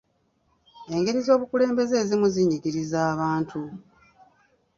Engeri z'obukulembeze ezimu zinyigiriza bantu.